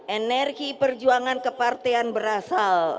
energi perjuangan kepartean berasal